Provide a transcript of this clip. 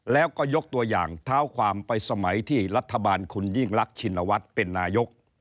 แล้วก็ยกตัวอย่างเท้าความไปสมัยที่รัฐบาลคุณยิ่งรักชินวัฒน์เป็นนายก